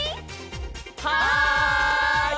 はい！